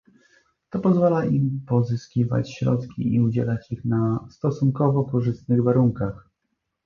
To pozwala im pozyskiwać środki i udzielać ich na stosunkowo korzystnych warunkach